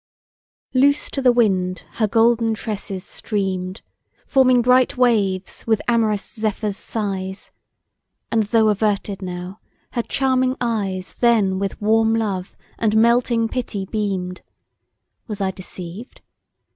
LOOSE to the wind her golden tresses stream'd, Forming bright waves with amorous Zephyr's sighs; And though averted now, her charming eyes Then with warm love, and melting pity beam'd, Was I deceived?